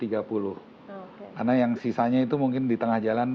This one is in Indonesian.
karena yang sisanya itu mungkin di tengah jalan